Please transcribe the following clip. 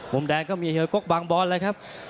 มุมแดงก็มีเฮยกบางบอลเลยครับ